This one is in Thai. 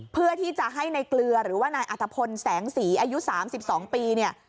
เพื่อที่จะให้ในเกลือหรือว่านายอัตภพลแสงสีอายุ๓๒ปีเนี่ย